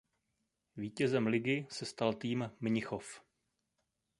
Vítězem ligy se stal tým Mnichov.